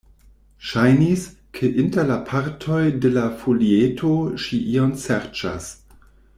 Ŝajnis, ke inter la partoj de la folieto ŝi ion serĉas.